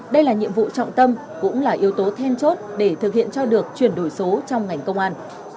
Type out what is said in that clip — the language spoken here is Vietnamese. đây là nhiệm vụ trọng tâm cũng là yếu tố then chốt để thực hiện cho được chuyển đổi số trong ngành công an